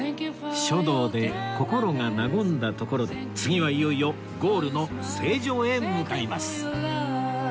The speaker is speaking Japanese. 書道で心が和んだところで次はいよいよゴールの成城へ向かいます